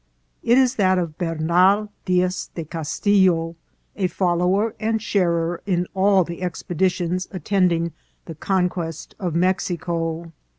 It is that of Bernal Diaz de Castillo, a follower and sharer in all the expeditions attending the conquest of Mexico.